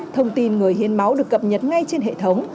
thông tin người hiến máu được cập nhật ngay trên hệ thống